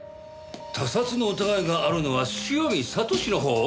他殺の疑いがあるのは汐見悟志のほう？